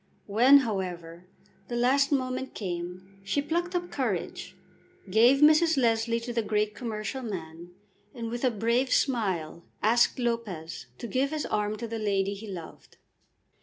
When, however, the last moment came she plucked up courage, gave Mrs. Leslie to the great commercial man, and with a brave smile asked Lopez to give his arm to the lady he loved.